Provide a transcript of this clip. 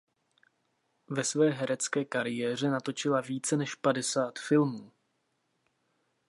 Ve své herecké kariéře natočila více než padesát filmů.